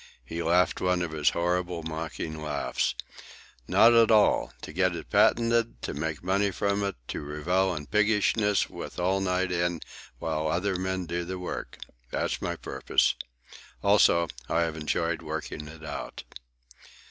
He laughed one of his horrible mocking laughs. "Not at all. To get it patented, to make money from it, to revel in piggishness with all night in while other men do the work. That's my purpose. Also, I have enjoyed working it out."